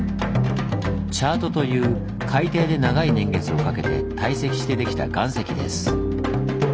「チャート」という海底で長い年月をかけて堆積してできた岩石です。